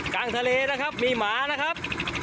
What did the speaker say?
กลางทะเลนะครับมีหมานะครับ